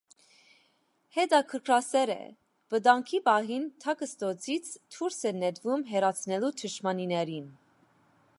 Հետաքրքրասեր է. վտանգի պահին թաքստոցից դուրս է նետվում՝ հեռացնելու թշնամիներին։